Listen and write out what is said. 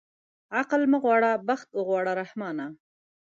عقل مه غواړه بخت اوغواړه رحمانه.